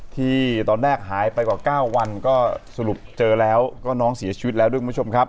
ที่ตอนแรกหายไปกว่า๙วัน